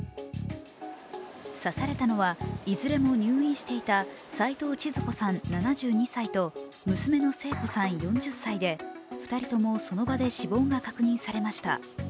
刺されたのはいずれも入院していた齊藤ちづ子さん７２歳と娘の聖子さん４０歳で２人ともその場で死亡が確認されました。